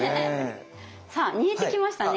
さあ煮えてきましたね。